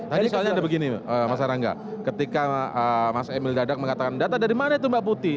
tadi soalnya ada begini mas erangga ketika mas emil dadak mengatakan data dari mana itu mbak putih